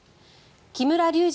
木村隆二